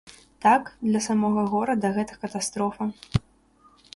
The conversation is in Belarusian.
Так, для самога горада гэта катастрофа.